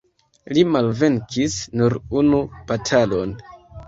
Li malvenkis nur unu batalon.